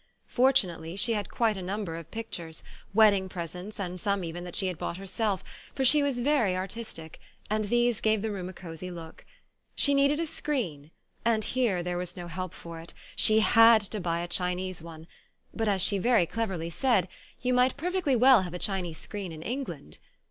Fortunately she had quite a number of pictures, wedding presents and some even that she had bought herself, for she was very artistic, and these gave the room a cosy look. She needed a screen and here there was no help for it, she had to buy a Chinese one, but as she very cleverly said, you might perfectly well have a Chi 15 ON A CHINESE SCEEEN nese screen in England.